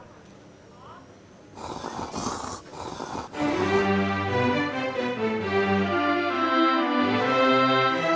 หอม